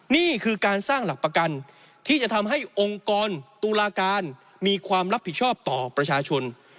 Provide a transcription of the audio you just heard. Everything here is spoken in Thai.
นี่คือการสร้างหลักประกันที่จะทำให้องค์กรตุลาการมีความรับผิดชอบต่อประชาชน